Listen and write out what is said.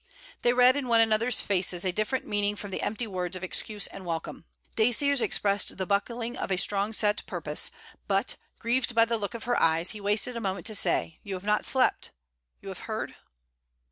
They read in one another's faces a different meaning from the empty words of excuse and welcome. Dacier's expressed the buckling of a strong set purpose; but, grieved by the look of her eyes, he wasted a moment to say: 'You have not slept. You have heard...?'